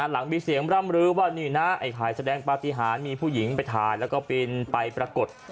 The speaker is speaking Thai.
หลังมีเสียงร่ำรื้อว่านี่นะไอ้ไข่แสดงปฏิหารมีผู้หญิงไปถ่ายแล้วก็ปีนไปปรากฏ